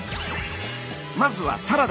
まずはサラダ。